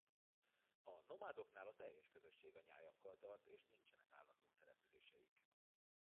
A nomádoknál a teljes közösség a nyájakkal tart és nincsenek állandó településeik.